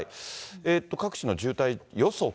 各地の渋滞予測。